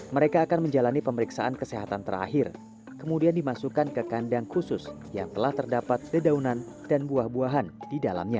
mereka akan menjalani pemeriksaan kesehatan terakhir kemudian dimasukkan ke kandang khusus yang telah terdapat dedaunan dan buah buahan di dalamnya